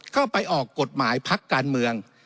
ไปออกกฎหมายพักการเมือง